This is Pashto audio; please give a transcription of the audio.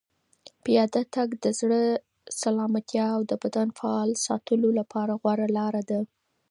پیاده تګ د زړه سلامتیا او د بدن فعال ساتلو لپاره غوره لاره ده.